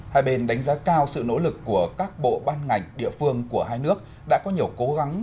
hai bên đánh giá cao sự nỗ lực của các bộ ban ngành địa phương của hai nước đã có nhiều cố gắng